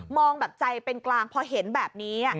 แบบใจเป็นกลางพอเห็นแบบนี้